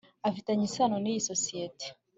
Afitanye isano niyi sosiyete